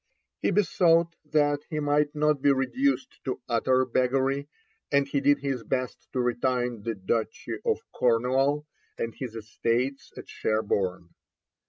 He besought that he might not be reduced to utter beggary, and he did his best to retain the Duchy of Cornwall and his estates at Sherborne.